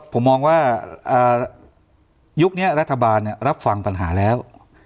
ผมมองว่ายุคนี้รัฐบาลรับฟังปัญหาแล้ว